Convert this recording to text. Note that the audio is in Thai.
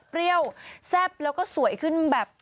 เปรี้ยวแซ่บแล้วก็สวยขึ้นแบบ